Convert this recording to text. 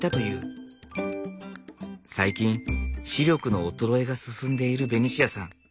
最近視力の衰えが進んでいるベニシアさん。